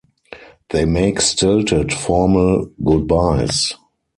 They make stilted, formal good-byes.